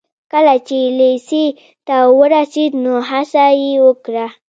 کله چې لېسې ته ورسېد نو هڅه يې وکړه.